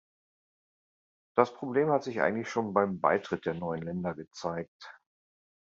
Das Problem hat sich eigentlich schon beim Beitritt der neuen Länder gezeigt.